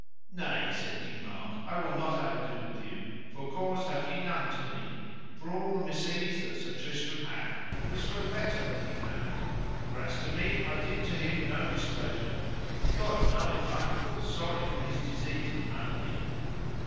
Nay, said King Mark, I will not have ado with you, for cause have ye none to me; for all the misease that Sir Tristram hath was for a letter that he found; for as to me I did to him no displeasure, and God knoweth I am full sorry for his disease and malady.